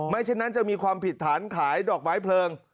เช่นนั้นจะมีความผิดฐานขายดอกไม้เพลิง